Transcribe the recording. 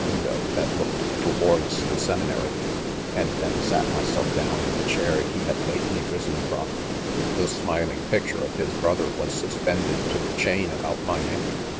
window that looked ■• towards' the ' seminary, and then THE CONFESSIONS. 95 sat myself down in the chair he had lately ris en from. The smiling picture of his brother was suspended to the chain about my neck.